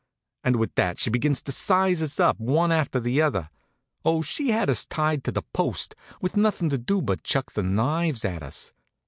And with that she begins to size us up, one after the other. Oh, she had us tied to the post, with nothin' to do but chuck the knives at us.